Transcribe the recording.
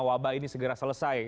wabah ini segera selesai